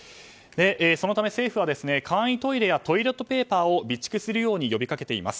そのため、政府は簡易トイレやトイレットペーパーを備蓄するように呼びかけています。